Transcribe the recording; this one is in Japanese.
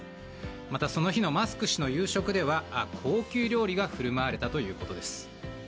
またその日のマスク氏の夕食では高級料理が振る舞われたということです。